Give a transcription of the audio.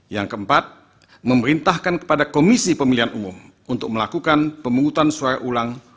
yang keempat memerintahkan kepada komisi pemilihan umum untuk melakukan pemungutan suara ulang